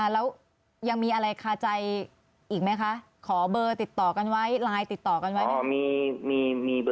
แล้วยังมีอะไรคาใจอีกไหมคะขอเบอร์ติดต่อกันไว้ไลน์ติดต่อกันไว้ไหม